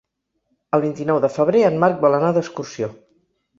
El vint-i-nou de febrer en Marc vol anar d'excursió.